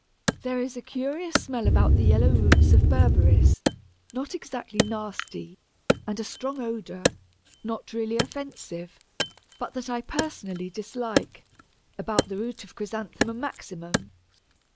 There is a curious smell about the yellow roots of Berberis, not exactly nasty, and a strong odour, not really offensive, but that I personally dislike, about the root of Chrysanthemum maximum.